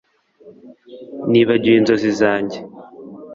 nibagiwe inzozi zanjye